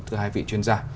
thưa hai vị chuyên gia